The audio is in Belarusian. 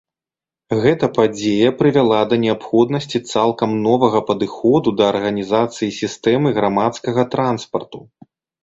Гэта падзея прывяла да неабходнасці цалкам новага падыходу да арганізацыі сістэмы грамадскага транспарту.